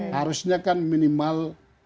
harusnya kan minimal empat